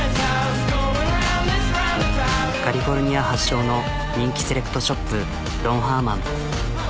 カリフォルニア発祥の人気セレクトショップロンハーマン。